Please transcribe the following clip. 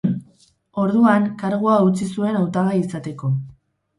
Orduan, kargua utzi zuen hautagai izateko.